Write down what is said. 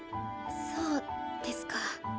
そうですか。